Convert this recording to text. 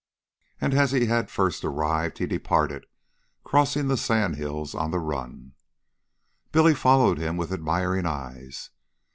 And, as he had first arrived, he departed, crossing the sandhills on the run. Billy followed him with admiring eyes.